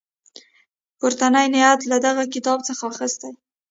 پورتنی نعت له دغه کتاب څخه اخیستی.